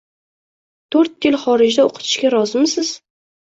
Tort'yil xorijda oʻqitishga rozimisiz?